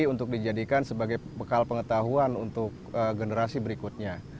untuk dijadikan sebagai bekal pengetahuan untuk generasi berikutnya